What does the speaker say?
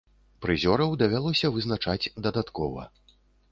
Прызёраў давялося вызначаць дадаткова.